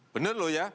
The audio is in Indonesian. benar loh ya